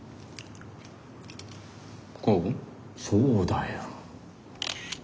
そうだよ。